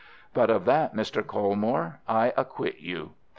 But of that, Mr. Colmore, I acquit you.